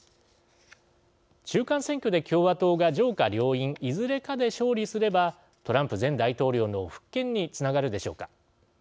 中間選挙で共和党が上下両院いずれかで勝利すればトランプ前大統領の復権につながるでしょうか。